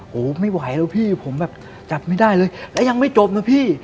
ไม่ไหวแล้วพี่ผมแบบจับไม่ได้เลยแล้วยังไม่จบนะพี่